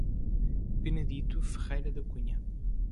Benedito Ferreira da Cunha